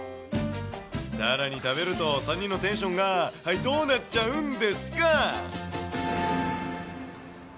さらに食べると、３人のテンションが、はい、どうなっちゃうんですか？